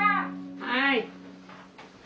はい！